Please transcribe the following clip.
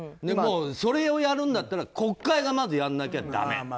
それをやるんだったら国会がまずやらなきゃだめ。